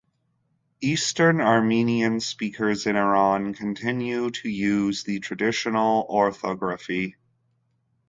Eastern Armenian speakers in Iran continue to use the traditional orthography.